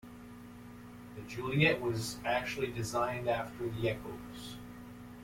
The Juliett was actually designed after the Echos.